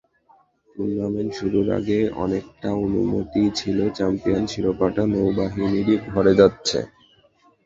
Tournament শুরুর আগে অনেকটা অনুমিতই ছিল চ্যাম্পিয়ন শিরোপাটা নৌবাহিনীরই ঘরে যাচ্ছে।